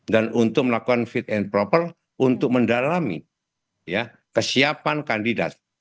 dan untuk melakukan fit and proper untuk mendalami kesiapan kandidat